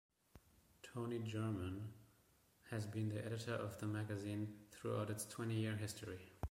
Toni Jerrman has been the editor of the magazine throughout its twenty-year history.